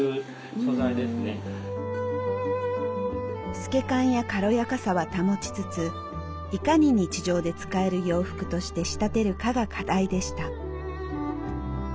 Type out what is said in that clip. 透け感や軽やかさは保ちつついかに日常で使える洋服として仕立てるかが課題でした。